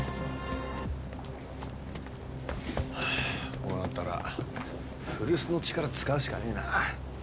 こうなったら古巣の力使うしかねえな。